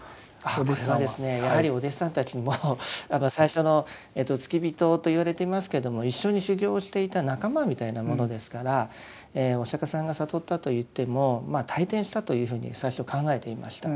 これはですねやはりお弟子さんたちも最初の付き人といわれてますけども一緒に修行をしていた仲間みたいなものですからお釈迦さんが悟ったといっても退転したというふうに最初考えていました。